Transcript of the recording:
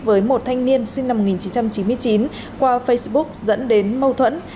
với một thanh niên sinh năm một nghìn chín trăm chín mươi chín qua facebook dẫn đến mâu thuẫn